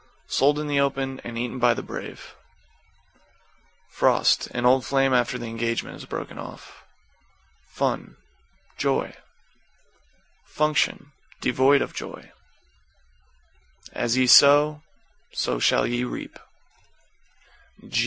Sold in the open and eaten by the brave. =FROST= An old flame after the engagement is broken off. =FUN= Joy. =FUNCTION= Devoid of joy. As ye sew, so shall ye rip.